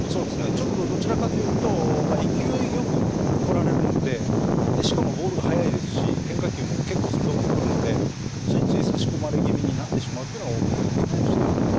ちょっとどちらかというと勢いよく来られるのでしかもボールが速いですし変化球も結構鋭く来るのでついつい差し込まれ気味になってしまうというのがオープン戦の結果でしたよね。